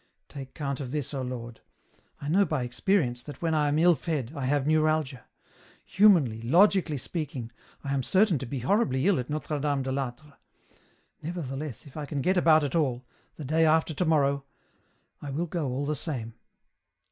" Take count of this, O Lord ; I know by experience that when I am ill fed, I have neuralgia ; humanly, logically speak ing, I am certain to be horribly ill at Notre Dame de I'Atre ; nevertheless, if I can get about at all, the day after to morrow, I will go all the same.